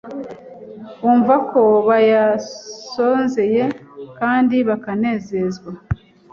bumva ko bayasonzeye, kandi bakanezezwa